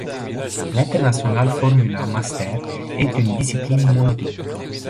L'International Formula Master est une discipline monotype.